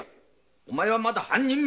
お前はまだ半人前。